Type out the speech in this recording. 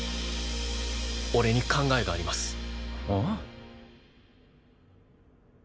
俺に考えがあります。